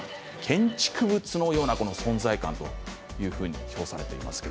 建築物のような存在感というふうに評価されています。